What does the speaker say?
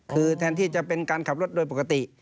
คือแทนที่จะเป็นการขับรถโดยปกติ